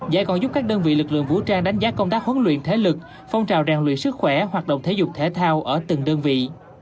giải còn giúp các đơn vị lực lượng vũ trang đánh giá công tác huấn luyện thể lực phong trào rèn luyện sức khỏe hoạt động thể dục thể thao ở từng đơn vị